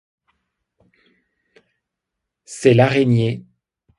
C'est l'araignée